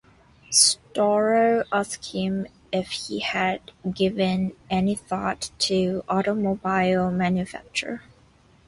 Storrow asked him if he had given any thought to automobile manufacture.